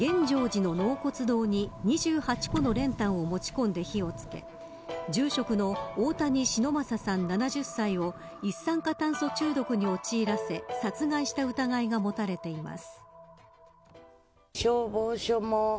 次の納骨堂に２８個の練炭を持ち込んで火をつけ住職の大谷忍昌さん、７０歳を一酸化炭素中毒に陥らせ殺害した疑いが持たれています。